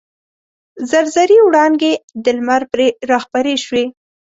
زر زري وړانګې د لمر پرې راخپرې شوې.